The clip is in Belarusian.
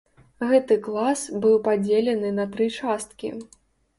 Гэты клас быў падзелены на тры часткі.